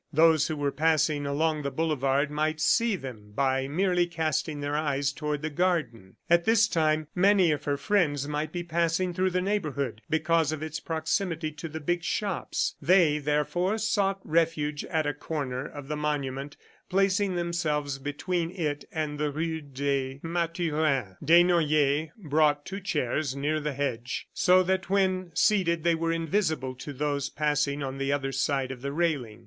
Those who were passing along the boulevard might see them by merely casting their eyes toward the garden. At this time, many of her friends might be passing through the neighborhood because of its proximity to the big shops. ... They, therefore, sought refuge at a corner of the monument, placing themselves between it and the rue des Mathurins. Desnoyers brought two chairs near the hedge, so that when seated they were invisible to those passing on the other side of the railing.